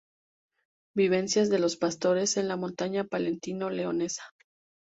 Vivencias de los pastores en la montaña palentino-leonesa.